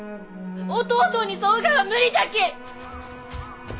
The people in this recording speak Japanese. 弟に添うがは無理じゃき！